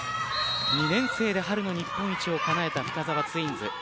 ２年生で春の日本一をかなえた深澤ツインズ。